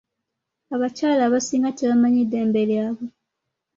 Abakyala abasinga tebamanyi ddembe lyabwe.